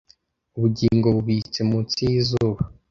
Ubugingo bubitse munsi yizuba